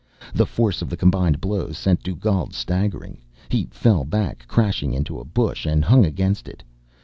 The force of the combined blows sent Dugald staggering. He fell back, crashing into a bush, and hung against it.